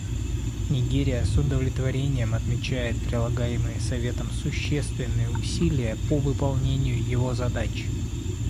Нигерия с удовлетворением отмечает прилагаемые Советом существенные усилия по выполнению его задач.